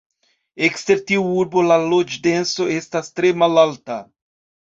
Ekster tiu urbo la loĝdenso estas tre malalta.